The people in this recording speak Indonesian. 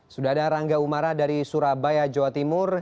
sudah ada rangga umara dari surabaya jawa timur